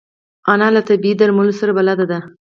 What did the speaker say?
انا له طبیعي درملو سره بلد ده